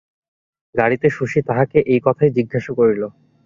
গাড়িতে শশী তাহাকে এই কথাই জিজ্ঞাসা করিল।